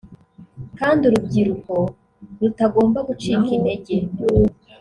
kandi urubyiruko rutagomba gucika integer